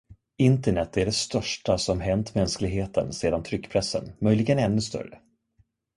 Internet är det största som hänt mänskligheten sedan tryckpressen, möjligen ännu större.